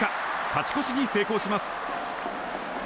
勝ち越しに成功します。